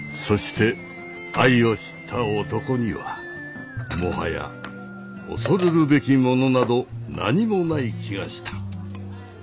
そして愛を知った男にはもはや恐るるべきものなど何もない気がした。